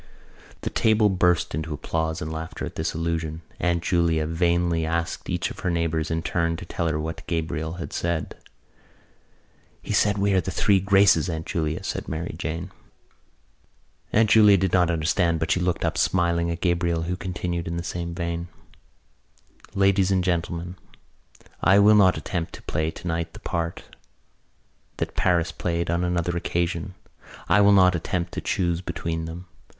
The table burst into applause and laughter at this allusion. Aunt Julia vainly asked each of her neighbours in turn to tell her what Gabriel had said. "He says we are the Three Graces, Aunt Julia," said Mary Jane. Aunt Julia did not understand but she looked up, smiling, at Gabriel, who continued in the same vein: "Ladies and Gentlemen, "I will not attempt to play tonight the part that Paris played on another occasion. I will not attempt to choose between them.